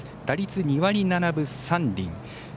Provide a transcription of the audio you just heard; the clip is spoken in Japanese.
打率２割７分３厘。